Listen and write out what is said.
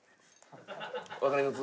わかります？